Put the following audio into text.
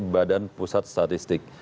badan pusat statistik